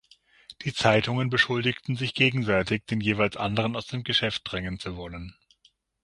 Die Zeitungen beschuldigten sich gegenseitig, den jeweils anderen aus dem Geschäft drängen zu wollen.